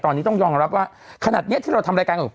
ตอนนี้ต้องยอมรับว่าขนาดนี้ที่เราทำรายการกับ